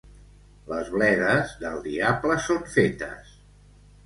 Les bledes, del diable són fetes.